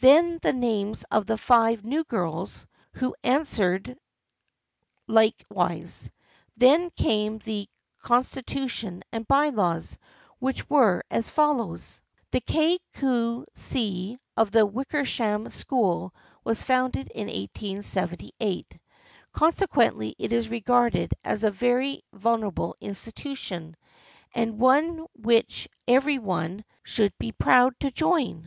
Then the names of the five new girls, who answered like wise. Then came the constitution and by laws, which were as follows :" The Kay Cue See of the Wickersham School was founded in 1878. Consequently it is regarded as a very venerable institution and one which every one should be proud to join.